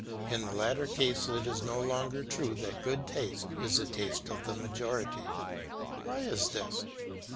In the latter case it is no longer true that good taste is the taste of the majority. Why is this?